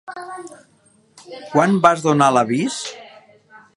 Quan vas donar l'avís?